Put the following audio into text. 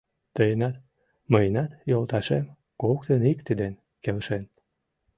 Тыйынат, мыйынат йолташем, коктын икте ден келшен